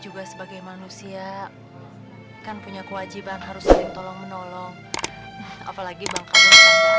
juga sebagai manusia kan punya kewajiban harus sering tolong menolong apalagi bang kadun padanya